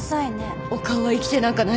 岡尾は生きてなんかないのね。